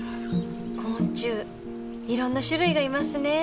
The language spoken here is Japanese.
昆虫いろんな種類がいますね。